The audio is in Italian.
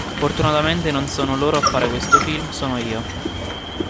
Fortunatamente non sono loro a fare questo film, sono io.